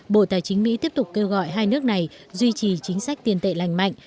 bộ tài chính mỹ tiếp tục kêu gọi hai nước này duy trì chính sách tiền tệ lành mạnh